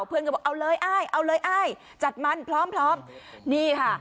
เพื่อนก็บอกเอาเลยอ้ายเอาเลยอ้ายจัดมันพร้อมพร้อมนี่ค่ะ